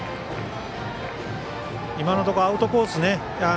今のところアウトコース